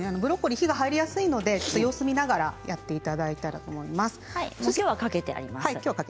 火が入りやすいので様子を見ながらやっていただいたらと思います。